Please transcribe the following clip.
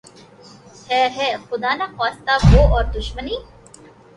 ھے ھے! خدا نخواستہ وہ اور دشمنی